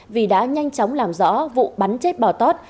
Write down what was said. vì đã nhanh chóng làm rõ vụ bắn chết bò tót